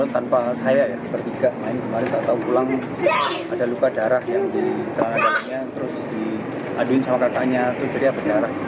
terus diaduin sama kakaknya jadi apa cara